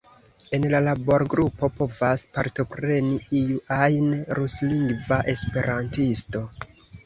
En la laborgrupo povas partopreni iu ajn ruslingva esperantisto.